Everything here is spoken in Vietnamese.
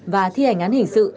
và thi hành án hình sự